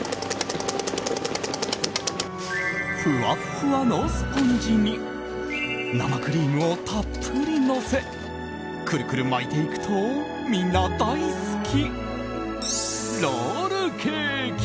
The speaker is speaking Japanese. ふわふわのスポンジに生クリームをたっぷりのせくるくる巻いていくとみんな大好きロールケーキ！